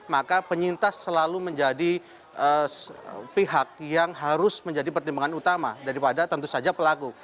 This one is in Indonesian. maka penyintas selalu menjadi pihak yang harus menjadi pertimbangan utama daripada tentu saja pelaku